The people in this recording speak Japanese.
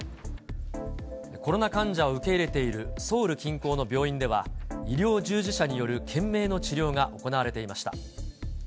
コロナ患者を受け入れているソウル近郊の病院では、医療従事者による懸命の治療が行われていました。